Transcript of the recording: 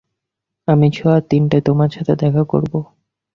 আমি সোয়া তিনটায় তোমার সাথে দেখা করব।